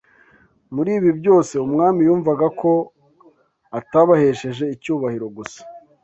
Muri ibi byose umwami yumvaga ko atabahesheje icyubahiro gusa